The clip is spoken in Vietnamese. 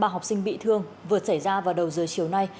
ba học sinh bị thương vừa xảy ra vào đầu giờ chiều nay